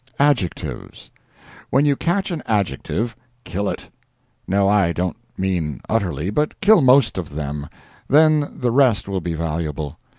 ADJECTIVES When you catch an adjective, kill it. No, I don't mean utterly, but kill most of them—then the rest will be valuable.